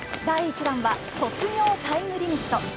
第１弾は「卒業タイムリミット」。